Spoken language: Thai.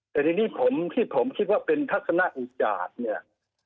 แต่ทีนี้ผมที่ผมคิดว่าเป็นทัศนอุจาตเนี่ย